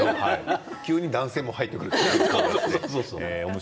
急に男性の声が入ってくる。